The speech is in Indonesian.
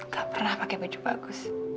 tak pernah pakai baju bagus